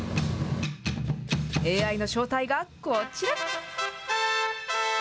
ＡＩの正体がこちら。